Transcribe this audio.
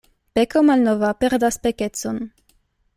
Peko malnova perdas pekecon.